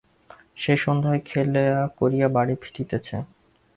সে সন্ধ্যায় খেলা করিয়া বাড়ি ফিরিতেছে।